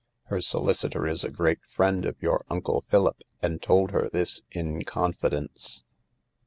Her solicitor is a great friend of your Uncle Philip and told her this in confidence.